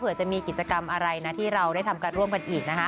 จะมีกิจกรรมอะไรนะที่เราได้ทำการร่วมกันอีกนะคะ